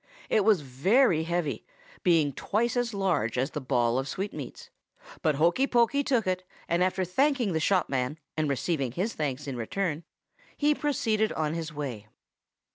It was very heavy, being twice as large as the ball of sweetmeats; but Hokey Pokey took it, and, after thanking the shop man and receiving his thanks in return, he proceeded on his way.